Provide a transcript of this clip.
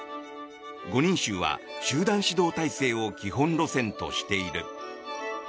５人衆は集団指導体制を基本路線としている。